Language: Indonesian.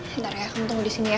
sementar ya k conosau gasesini ya